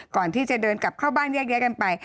ก่อนที่จะเดินกลับเข้าบ้านแยกแยะกันไป